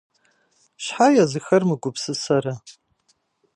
Щхьэ езыхэр мыгупсысэрэ?!